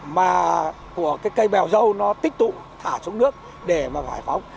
mà của cái cây bèo dâu nó tích tụ thả xuống nước để mà giải phóng